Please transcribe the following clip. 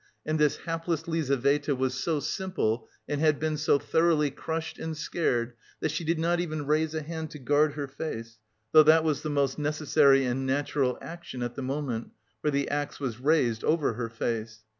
And this hapless Lizaveta was so simple and had been so thoroughly crushed and scared that she did not even raise a hand to guard her face, though that was the most necessary and natural action at the moment, for the axe was raised over her face.